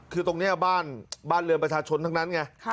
คือตรงเนี้ยบ้านบ้านเรือนประชาชนทั้งนั้นไงค่ะ